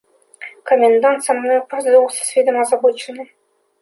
Комендант со мною поздоровался с видом озабоченным.